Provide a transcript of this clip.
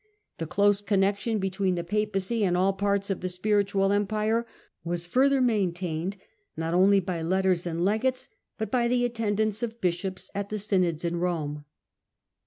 The close connexion between the Papacy and all parts of the spiritual empire was farther main tained, not only by letters and legates, but by the attendance of bishops at the synods in Rome.